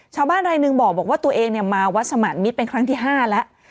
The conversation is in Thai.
ชาวบ้านรายหนึ่งบอกว่าตัวเองมาวัดสมาธิมิตรเป็นครั้งที่๕แล้ว